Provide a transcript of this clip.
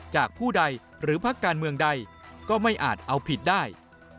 ผู้ใดหรือพักการเมืองใดก็ไม่อาจเอาผิดได้